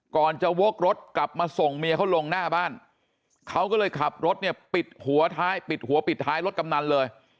ก่อนจะวกรถกลับมาส่งเมียเขาลงหน้าบ้านเขาก็เลยขับรถปิดหัวปิดท้ายรถกำนันเลย